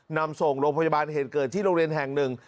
นำส่งโรงพยาบาลเหตุเกิดที่โรงเรียนแห่งหนึ่ง